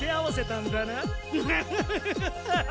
フフフフフ。